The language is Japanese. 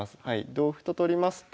同歩と取りますと。